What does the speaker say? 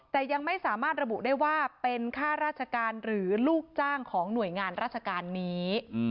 แต่ยังไม่สามารถระบุได้ว่าเป็นค่าราชการหรือลูกจ้างของหน่วยงานราชการนี้